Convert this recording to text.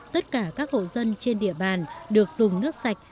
tất cả các hộ dân trên địa bàn được dùng nước sạch